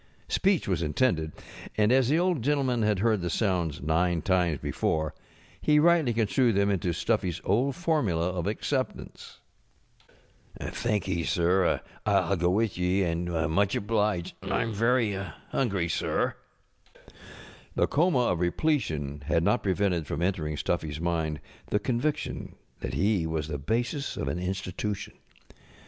Speech was intended; and as the Old Gen┬¼ tleman had heard the sounds nine times before, he 5┬« The Trimmed 'Lamp 'Tightly construed them into StufPjŌĆÖs old formula of acceptance. ŌĆśŌĆśThankee, sir. I'll go with ye, and much obliged. IŌĆÖm very hungry, sir. ŌĆØ The coma of repletion had not prevented from en┬¼ tering StuffyŌĆÖs mind the conviction that he was the basis of an Institution.